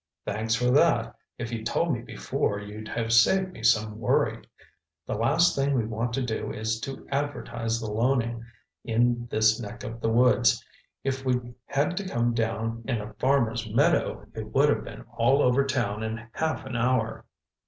"Thanks for that! If you'd told me before, you'd have saved me some worry. The last thing we want to do is to advertise the Loening in this neck of the woods. If we'd had to come down in a farmer's meadow, it would have been all over town in half an hour."